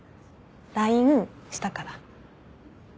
ＬＩＮＥしたから。